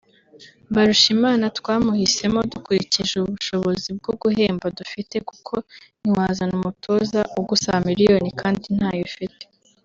Mbarushimana twamuhisemo dukurikije ubushobozi bwo guhemba dufite kuko ntiwazana umutoza ugusaba miliyoni kandi ntayo ufite